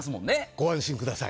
ご安心ください。